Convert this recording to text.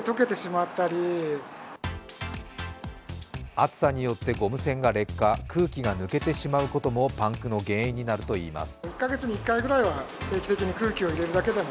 暑さによってゴム栓が劣化、空気が抜けてしまうこともパンクの原因になるといいます。